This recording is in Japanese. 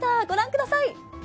ご覧ください。